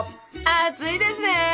熱いですね！